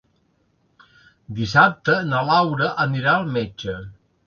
Dissabte na Laura anirà al metge.